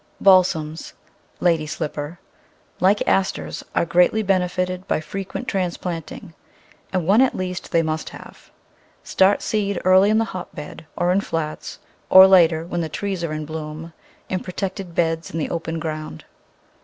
Balsams (Lady Slipper), like Asters, are greatly benefited by frequent transplanting, and one at least they must have. Start seed early in the hotbed or flats, or later, when the trees are in bloom, in pro tected beds in the open ground.